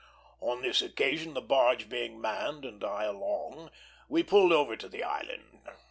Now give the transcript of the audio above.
On this occasion, the barge being manned and I along, we pulled over to the island.